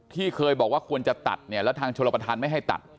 ที่เคยบอกว่าควรจะตัดเนี่ยแล้วทางชลประธานไม่ให้ตัด